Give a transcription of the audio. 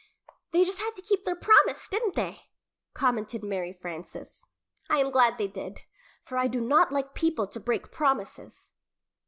"They just had to keep their promise, didn't they?" commented Mary Frances. "I am glad they did, for I do not like people to break promises."